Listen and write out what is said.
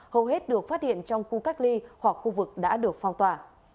hầu hết được phát hiện trong khu cách ly hoặc khu vực đã được phong tỏa